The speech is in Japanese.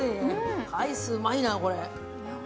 アイスうまいな、これ。